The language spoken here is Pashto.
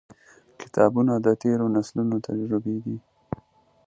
• کتابونه، د تیرو نسلونو تجربې دي.